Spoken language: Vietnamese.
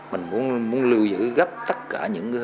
mình muốn lưu giữ gấp tất cả những cái